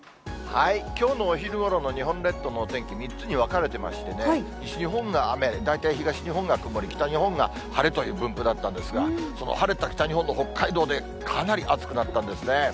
きょうのお昼ごろの日本列島のお天気、３つに分かれてましてね、西日本が雨、大体東日本が曇り、北日本が晴れという分布だったんですが、その晴れた北日本の北海道で、かなり暑くなったんですね。